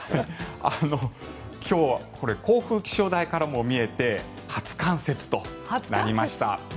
今日甲府気象台からも見えて初冠雪となりました。